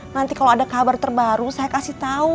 nanti kalau ada kabar terbaru saya kasih tahu